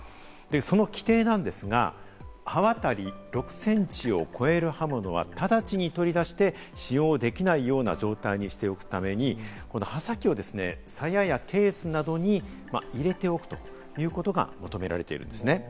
その規定なんですが、刃渡り６センチを超える刃物は直ちに取り出して使用できないような状態にしておくために、刃先をさややケースなどに入れておくということが求められているんですね。